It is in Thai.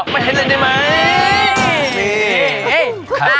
ไม่ให้เล่นได้ไหม